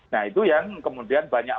nah itu yang kemudian banyak